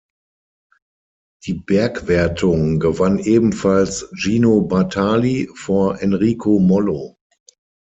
Die Bergwertung gewann ebenfalls Gino Bartali vor Enrico Mollo.